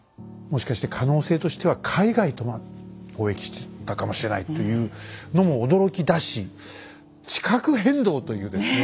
もしかして可能性としては海外とも交易してたかもしれないというのも驚きだし地殻変動というですね